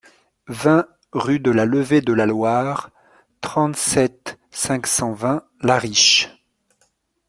vingt rue de la Levée de la Loire, trente-sept, cinq cent vingt, La Riche